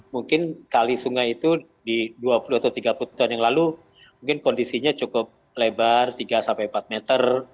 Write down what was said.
mungkin kali sungai itu di dua puluh atau tiga puluh tahun yang lalu mungkin kondisinya cukup lebar tiga sampai empat meter